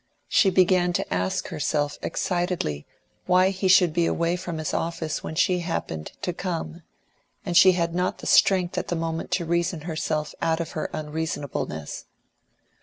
She began to ask herself excitedly why he should be away from his office when she happened to come; and she had not the strength at the moment to reason herself out of her unreasonableness.